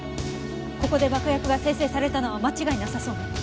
ここで爆薬が生成されたのは間違いなさそうね。